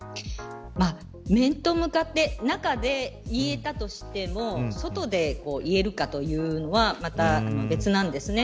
面と向かって中で言えたとしても外で言えるかというのはまた、別なんですね。